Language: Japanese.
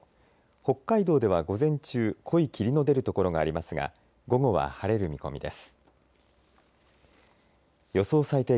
北海道では午前中濃い霧の出るところがありますが午後は晴れる見込みです。